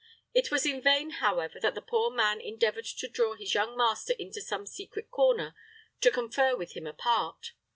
It was in vain, however, that the poor man endeavored to draw his young master into some secret corner to confer with him apart.